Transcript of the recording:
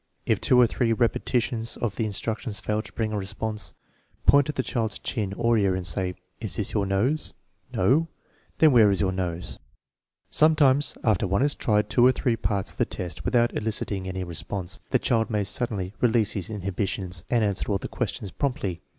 If two or three repetitions of the instruction fail to bring a response, point to the child's chin or ear and say: " Is this your nose ?"" No ?"" Then where is your nose ?" Sometimes, after one has tried two or three parts of the test without eliciting any response, the child may suddenly release his inhibitions and answer all the questions promptly.